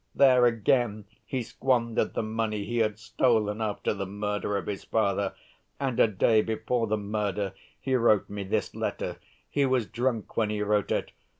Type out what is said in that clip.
There, again, he squandered the money he had stolen after the murder of his father. And a day before the murder he wrote me this letter. He was drunk when he wrote it.